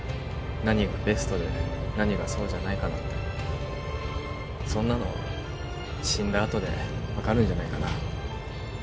何がベストで何がそうじゃないかなんてそんなのは死んだあとで分かるんじゃないかな